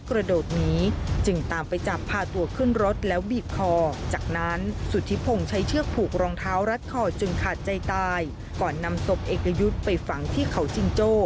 ขาดใจตายก่อนนำศพเอกยุทธไปฝังที่เขาจิงโจ